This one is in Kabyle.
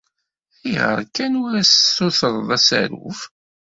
Ayɣer kan ur as-tessutureḍ asaruf?